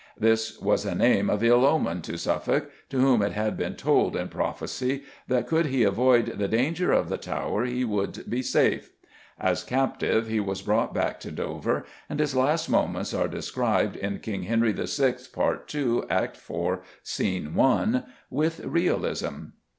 This was a name of ill omen to Suffolk, to whom it had been told, in prophecy, that could he avoid the "danger of the Tower" he should be safe. As captive he was brought back to Dover, and his last moments are described in King Henry VI., Part II., Act iv., Scene 1, with realism.